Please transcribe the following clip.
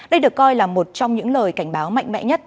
đây được coi là một trong những lời cảnh báo mạnh mẽ nhất